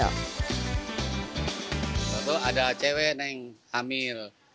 lalu ada cewek yang hamil